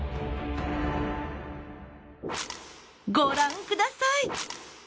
ご覧ください。